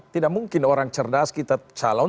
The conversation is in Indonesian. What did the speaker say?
tidak mungkin orang cerdas kita calon